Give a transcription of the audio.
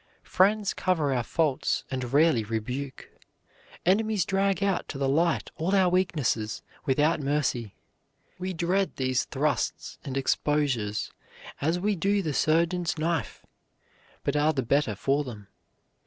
Friends cover our faults and rarely rebuke; enemies drag out to the light all our weaknesses without mercy. We dread these thrusts and exposures as we do the surgeon's knife, but are the better for them.